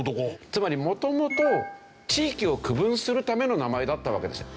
つまり元々地域を区分するための名前だったわけですよ。